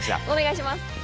お願いします。